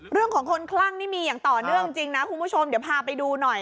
เรื่องของคนคลั่งนี่มีอย่างต่อเนื่องจริงนะคุณผู้ชมเดี๋ยวพาไปดูหน่อย